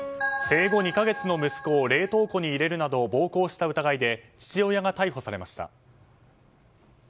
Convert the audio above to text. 生後２か月の息子を冷凍庫に入れるなど暴行した疑いで父親が逮捕されました。